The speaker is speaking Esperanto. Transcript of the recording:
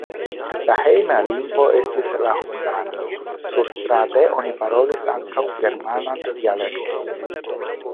La hejma lingvo estis la hungara, surstrate oni parolis ankaŭ germanan dialekton.